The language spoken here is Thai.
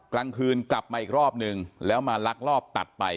กลางคืนกลับมาอีกรอบนึงแล้วมาลักลอบตัดไป